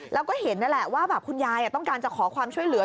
แล้วก็เห็นนั่นแหละว่าแบบคุณยายต้องการจะขอความช่วยเหลือ